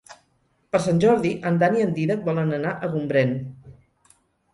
Per Sant Jordi en Dan i en Dídac volen anar a Gombrèn.